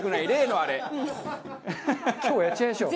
今日はやっちゃいましょう。